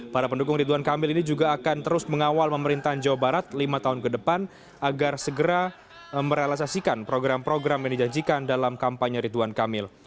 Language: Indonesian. para pendukung ridwan kamil ini juga akan terus mengawal pemerintahan jawa barat lima tahun ke depan agar segera merealisasikan program program yang dijanjikan dalam kampanye ridwan kamil